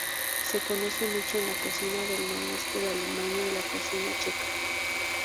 Se conoce mucho en la cocina del noreste de Alemania y la cocina checa.